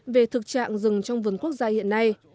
về thực trạng rừng trong vườn quốc gia hiện nay